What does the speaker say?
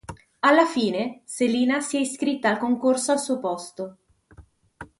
Alla fine, Selina si è iscritta al concorso al suo posto.